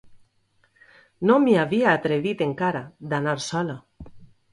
No m'hi havia atrevit encara, d'anar sola.